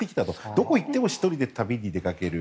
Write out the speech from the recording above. どこへ行っても１人で旅に出かける。